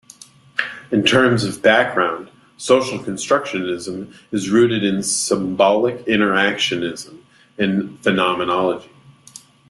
In terms of background, social constructionism is rooted in "symbolic interactionism" and "phenomenology.